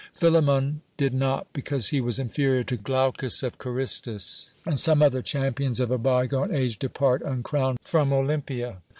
Philannnon did not, because he was inferior to (jllaucus of Carys tus and some other champions of a bygone age, di'i)art uncrowned from Olympia.